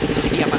nggak lagi ya pak